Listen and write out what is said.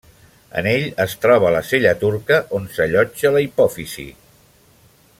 En ell es troba la sella turca on s'allotja la hipòfisi.